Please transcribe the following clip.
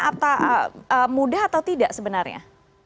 apa mudah atau tidak sebenarnya